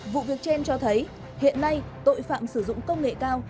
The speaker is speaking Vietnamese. vụ việc trên cho thấy hiện nay tội phạm sử dụng công nghệ cao